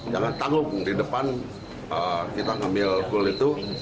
jangan tanggung di depan kita mengambil cole itu